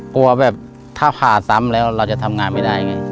กลัวแบบถ้าผ่าซ้ำแล้วเราจะทำงานไม่ได้ไง